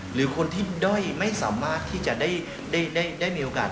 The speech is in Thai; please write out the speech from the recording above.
หรือคนที่ด้อยไม่สามารถที่จะได้มีโอกาส